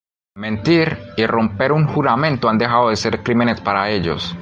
Mentir y romper un juramento han dejado de ser crímenes para ellos.